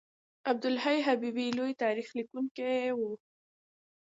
عبدالحی حبیبي لوی تاریخ لیکونکی و.